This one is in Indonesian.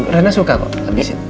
rena suka kok habisin